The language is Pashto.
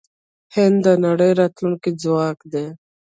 هند د نړۍ راتلونکی ځواک دی.